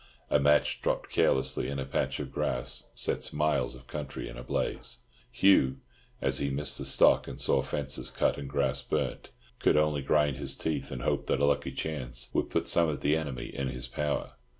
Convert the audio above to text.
A match dropped carelessly in a patch of grass sets miles of country in a blaze. Hugh, as he missed the stock, and saw fences cut and grass burnt, could only grind his teeth and hope that a lucky chance would put some of the enemy in his power.